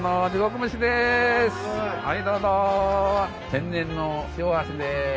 天然の塩味です。